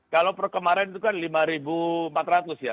kalau perkemarin itu kan lima empat ratus ya